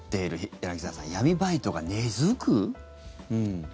柳澤さん、闇バイトが根付く？